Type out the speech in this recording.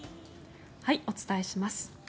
お伝えします。